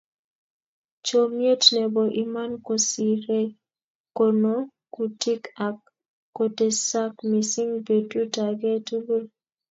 Chomyeet nebo iman kosiirei konokutik ak kotesak mising betut age tugul